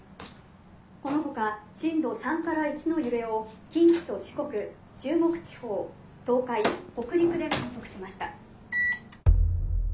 このほか震度３から１の揺れを近畿と四国中国地方東海北陸で観測しました」。